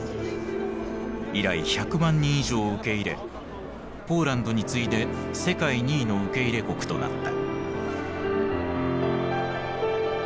以来１００万人以上を受け入れポーランドに次いで世界２位の受け入れ国となった。